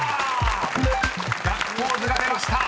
［ガッツポーズが出ました！